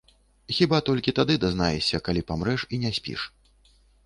Хіба толькі тады дазнаешся, калі памрэш і не спіш.